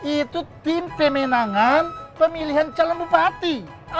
itu tim pemenangan pemilihan calon bupati